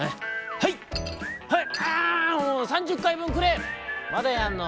はいはい！